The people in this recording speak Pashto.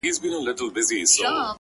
چي لمن د شپې خورېږي ورځ تېرېږي!